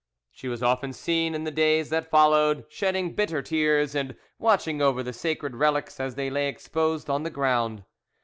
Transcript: She was often seen in the days that followed shedding bitter tears and watching over the sacred relics as they lay exposed on the ground.